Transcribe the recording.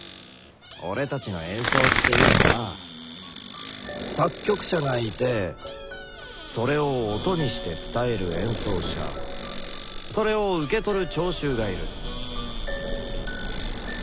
俺たちの演奏っていうのは作曲者がいてそれを「音」にして伝える演奏者それを受け取る聴衆がいる。